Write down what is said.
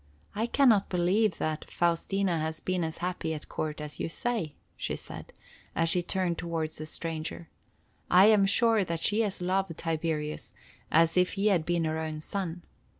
"I can not believe that Faustina has been as happy at court as you say," she said, as she turned toward the stranger. "I am sure that she has loved Tiberius as if he had been her own son.